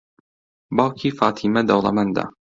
باوکی فاتیمە دەوڵەمەندە.